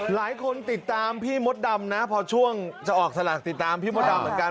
หลายคนติดตามพี่มดดำนะพอช่วงจะออกสลากติดตามพี่มดดำเหมือนกัน